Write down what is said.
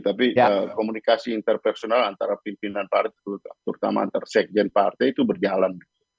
tapi komunikasi interpersonal antara pimpinan partai terutama antar sekjen partai itu berjalan